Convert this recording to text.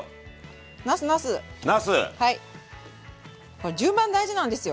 これ順番大事なんですよ。